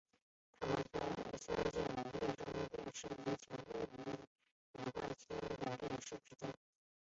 它们在酸性溶液中的电势介于过氧化氢的电势之间。